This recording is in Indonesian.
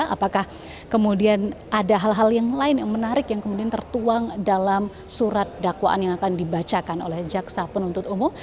apakah kemudian ada hal hal yang lain yang menarik yang kemudian tertuang dalam surat dakwaan yang akan dibacakan oleh jaksa penuntut umum